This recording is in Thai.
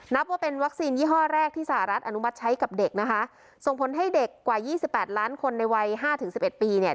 นับว่าเป็นวัคซีนยี่ห้อแรกที่สหรัฐอนุมัติใช้กับเด็กนะคะส่งผลให้เด็กกว่ายี่สิบแปดล้านคนในวัยห้าถึงสิบเอ็ดปีเนี่ย